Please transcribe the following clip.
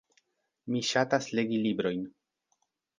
Mi ŝatas legi librojn.